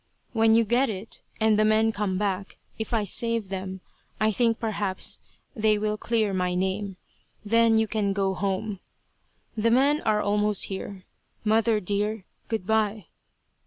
When you get it, and the men come back, if I save them, I think perhaps they will clear my name. Then you can go home. "The men are almost here. Mother, dear, good by.